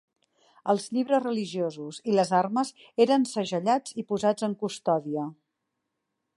Els llibres religiosos i les armes eren segellats i posats en custòdia.